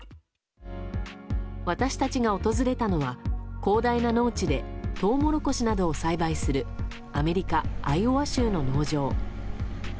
私たちが訪れたのは広大な農地でトウモロコシなどを栽培するアメリカ・アイオワ州の農場。